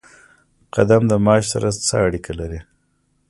قدم د معاش سره څه اړیکه لري؟